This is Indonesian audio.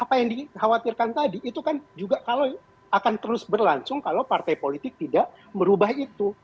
apa yang dikhawatirkan tadi itu kan juga kalau akan terus berlangsung kalau partai politik tidak merubah itu